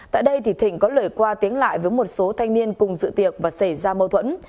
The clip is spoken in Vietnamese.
tại đây thì thỉnh có lời qua tiếng lại với một số thanh niên cùng dự tiệc và xảy ra mâu thuẫn